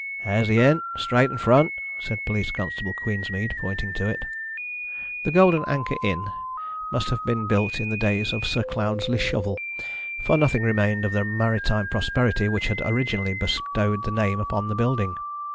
"There's the inn straight in front," said Police Constable Queensmead, pointing to it. The Golden Anchor inn must have been built in the days of Sir Cloudesley Shovel, for nothing remained of the maritime prosperity which had originally bestowed the name upon the building.